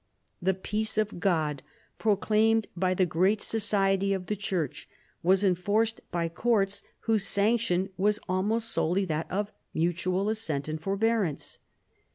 The Peace of God, proclaimed by the great society of the Church, was enforced by courts whose sanction was almost solely that of mutual assent and forbearance.